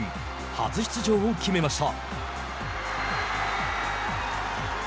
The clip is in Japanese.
初出場を決めました。